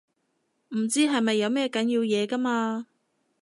唔知係咪有咩緊要嘢㗎嘛